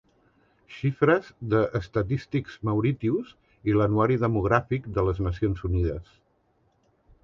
Xifres de Statistics Mauritius i l'Anuari Demogràfic de les Nacions Unides.